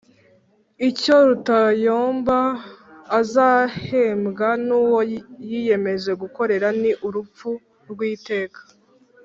Icyo Rutayomba azahembwa n'uwo yiyemeje gukorera, ni urupfu rw'iteka.